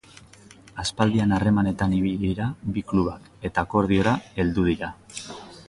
Aspaldian harremanetan ibili dira bi klubak eta akordiora heldu dira.